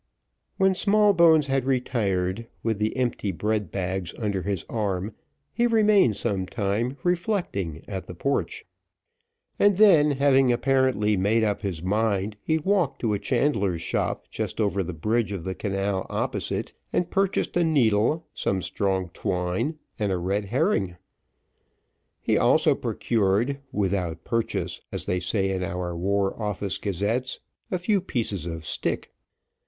When Smallbones had retired, with the empty bread bags under his arm, he remained some time reflecting at the porch, and then having apparently made up his mind, he walked to a chandler's shop just over the bridge of the canal opposite, and purchased a needle, some strong twine, and a red herring. He also procured, "without purchase," as they say in our War Office Gazettes, a few pieces of stick.